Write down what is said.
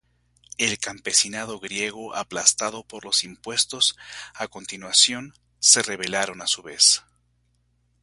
El campesinado griego, aplastado por los impuestos, a continuación, se rebelaron a su vez.